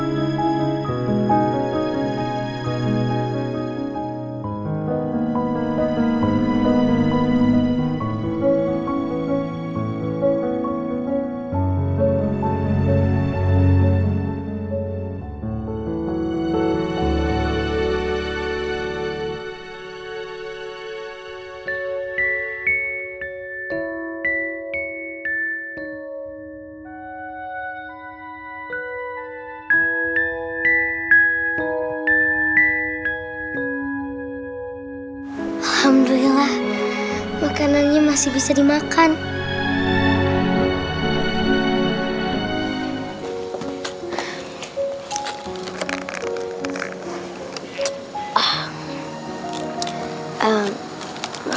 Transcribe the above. terima kasih atas dukunganmu